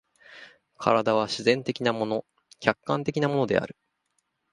身体は自然的なもの、客観的なものである。